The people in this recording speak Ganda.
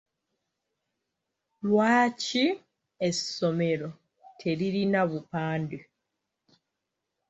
Lwaki essomero teririna bupande?